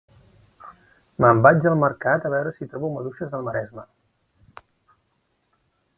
Me'n vaig al mercat a veure si trobo maduixes del Maresme